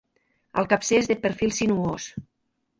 El capcer és de perfil sinuós.